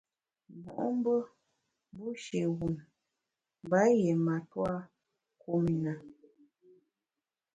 Mo’mbe bushi wum mba yié matua kum i na.